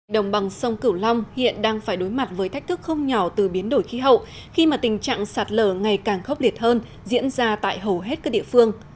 đồng bằng sông cửu long hiện đang phải đối mặt với thách thức không nhỏ từ biến đổi khí hậu khi mà tình trạng sạt lở ngày càng khốc liệt hơn diễn ra tại hầu hết các địa phương